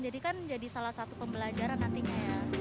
jadi kan jadi salah satu pembelajaran nantinya ya